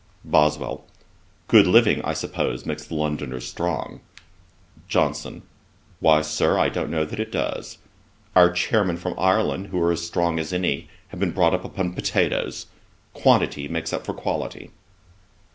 BOSWELL. 'Good living, I suppose, makes the Londoners strong.' JOHNSON. 'Why, Sir, I don't know that it does. Our Chairmen from Ireland, who are as strong men as any, have been brought up upon potatoes. Quantity makes up for quality.'